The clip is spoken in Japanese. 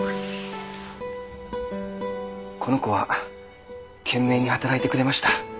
この子は懸命に働いてくれました。